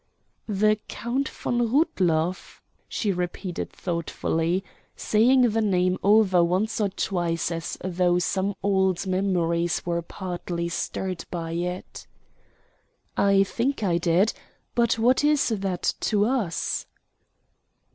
"The Count von Rudloff?" she repeated thoughtfully, saying the name over once or twice as though some old memories were partly stirred by it. "I think I did but what is that to us?"